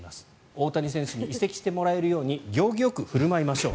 大谷選手に移籍してもらえるように行儀よく振る舞いましょう。